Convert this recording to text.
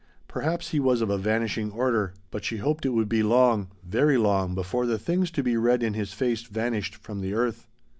Perhaps he was of a vanishing order, but she hoped it would be long very long before the things to be read in his face vanished from the earth.